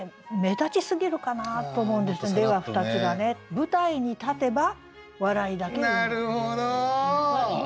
「舞台に立てば笑いだけ生む」。